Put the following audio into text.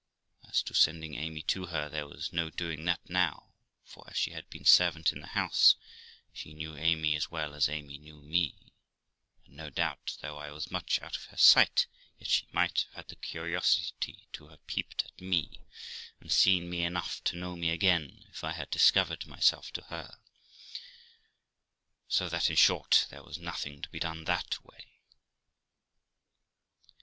As to sending Amy to her, there was no doing that now, for, as she had been servant in the house, she knew Amy as well as Amy knew me ; and, no doubt, though I was much out of her sight, yet she might have had the curiosity to have peeped at me, and seen me enough to know me again if I had discovered myself to her; so that, in short, there was nothing to be done that way.